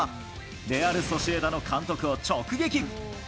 レアルソシエダの監督を直撃。